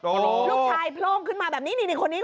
โอ้โฮลูกชายโพร่งขึ้นมาแบบนี้คนนี้